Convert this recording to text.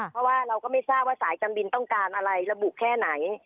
เพราะว่าเราก็ไม่ทราบว่าสายการบินต้องการอะไรระบุแค่ไหน